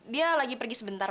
dia lagi pergi sebentar